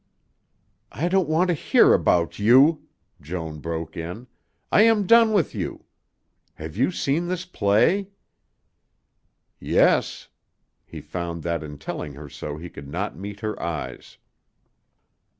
"I don't want to hear about you," Joan broke in. "I am done with you. Have you seen this play?" "Yes." He found that in telling her so he could not meet her eyes.